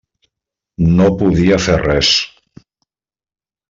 No podia fer res.